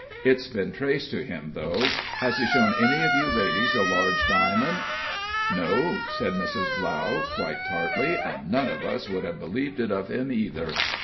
It's been traced to him, though has he shown any of you ladies a large diamond?" "No," said Mrs. Blough, quite tartly, "and none of us would have believed it of him, either."